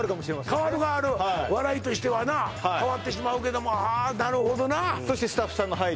はい変わる変わる笑いとしてはな変わってしまうけどもはあなるほどなそしてスタッフさんの配慮